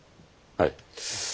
はい。